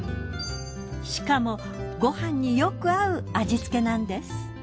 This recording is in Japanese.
しかもご飯によく合う味付けなんです。